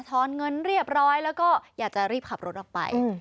อนเงินเรียบร้อยแล้วก็อยากจะรีบขับรถออกไป